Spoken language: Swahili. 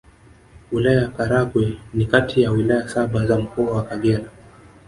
Wilaya ya Karagwe ni kati ya Wilaya saba za Mkoa wa Kagera